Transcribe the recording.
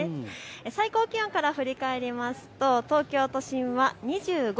最高気温から振り返りますと東京都心は２５．８度。